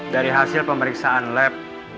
dari hasil pemeriksaan lab